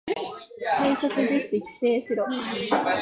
最速実践規制しろ